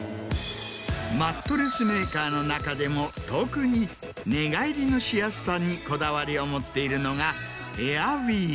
マットレスメーカーの中でも特に寝返りのしやすさにこだわりを持っているのが。